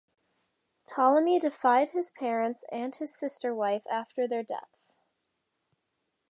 Ptolemy deified his parents and his sister-wife after their deaths.